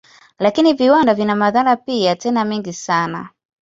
Lakini viwanda vina madhara pia, tena mengi sana.